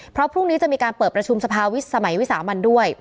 เพราะพรุ่งนี้จะมีการเปิดประชุมสภาวิศสมัยวิสามันด้วย